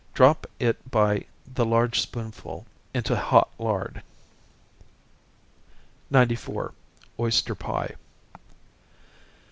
Drop it by the large spoonful into hot lard. 94. _Oyster Pie.